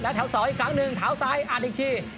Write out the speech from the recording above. แล้วเถาสอยอีกครั้งหนึ่งเถาซ้ายอัดอีกที